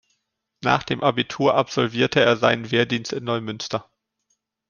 Nach dem Abitur absolvierte er seinen Wehrdienst in Neumünster.